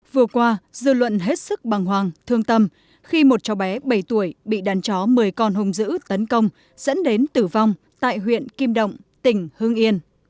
vừa qua dư luận hết sức bằng hoàng thương tâm khi một cháu bé bảy tuổi bị đàn chó một mươi con hùng giữ tấn công dẫn đến tử vong tại huyện kim động tỉnh hương yên